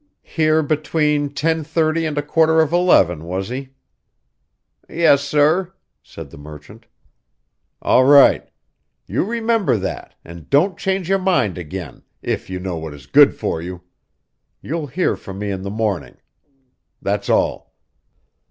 "Here between ten thirty and a quarter of eleven, was he?" "Yes, sir," said the merchant. "All right! You remember that, and don't change your mind again, if you know what is good for you. You'll hear from me in the morning. That's all!"